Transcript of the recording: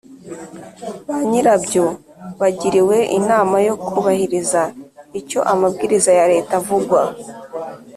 ba nyirabyo bagiriwe inama yo kubahiriza icyo amabwiriza ya leta avugwa